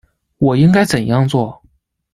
我应该怎样做？